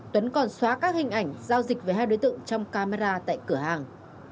tuấn còn xóa các hình ảnh giao dịch với hai đối tượng trong camera tại cửa hàng